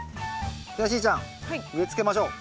ではしーちゃん植え付けましょう。